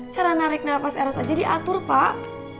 cara narik nafas eros aja diatur pak